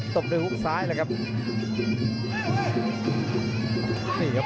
ตบด้วยฮุกซ้ายเลยครับ